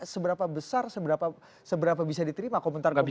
seberapa besar seberapa bisa diterima komentar komentar seperti ini